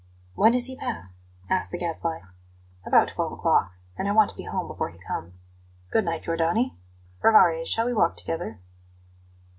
"When does he pass?" asked the Gadfly. "About twelve o'clock; and I want to be home before he comes. Good night, Giordani. Rivarez, shall we walk together?"